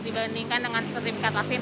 dibandingkan dengan sertifikat vaksin